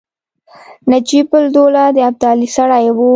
نجیب الدوله د ابدالي سړی وو.